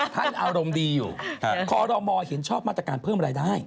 ท่านอารมณ์ดีอยู่ครอรมมอมมีแอยนชอบมาตรการเพิ่มรายได้